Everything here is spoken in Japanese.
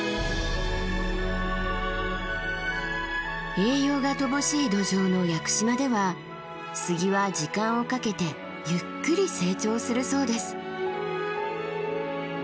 栄養が乏しい土壌の屋久島では杉は時間をかけてゆっくり成長するそうです。